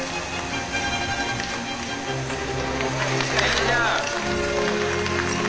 いいじゃん！